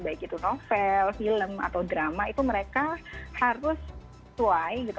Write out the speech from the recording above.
baik itu novel film atau drama itu mereka harus sesuai gitu